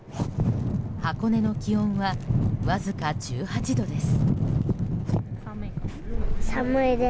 箱根の気温はわずか１８度です。